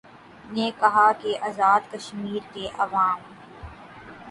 نے کہا کہ آزادکشمیر کےعوام